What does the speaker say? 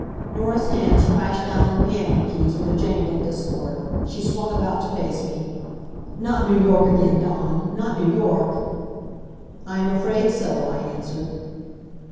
Norah's hands crashed down on the piano keys with a jangling discord. She swung about to face me. "Not New York again, Dawn! Not New York!" "I am afraid so," I answered.